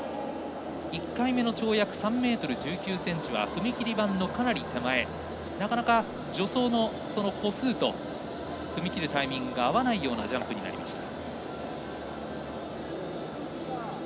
１回目の跳躍、３ｍ１９ｃｍは踏み切り板のかなり手前で助走の歩数と踏み切るタイミングが合わないジャンプになりました。